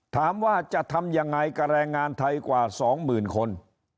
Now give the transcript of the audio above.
ถามว่าจะทำยังไงกรแรงงานใดกว่า๒หมื่นคน